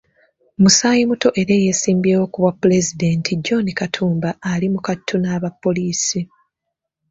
Musaayimuto era eyeesimbyewo ku bwapulezidenti, John Katumba, ali mu kattu n'aba pollisi.